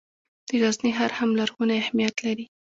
د غزني ښار هم لرغونی اهمیت لري.